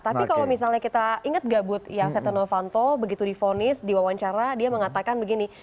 tapi kalau misalnya kita ingat gak bu ya setonowanto begitu difonis di wawancara dia mengatakan begini